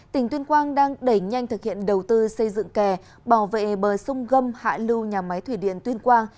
tỉnh tuyên quang đang đẩy nhanh thực hiện đầu tư xây dựng kè bảo vệ bờ sông gâm hạ lưu nhà máy thủy điện tuyên quang